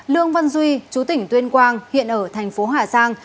lương văn duy chú tỉnh tuyên quang hiện ở thành phố hà giang